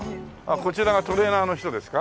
こちらがトレーナーの人ですか？